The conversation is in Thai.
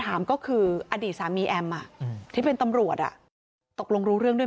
ถามก็คืออดีตสามีแอมที่เป็นตำรวจอ่ะตกลงรู้เรื่องด้วย